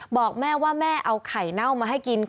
บอกแม่ว่าแม่เอาไข่เน่ามาให้กิน